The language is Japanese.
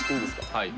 はい。